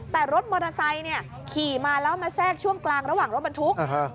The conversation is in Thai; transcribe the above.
แต่รถมอเตอร์ไซค์ขี่มาแล้วมาแทรกช่วงกลางระหว่างรถบรรทุก